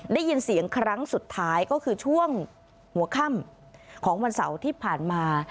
ได้ยินเสียงครั้งสุดท้ายก็คือช่วงหัวค่ำของวันเสาร์ที่ผ่านมา